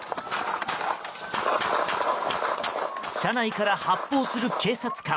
車内から発砲する警察官。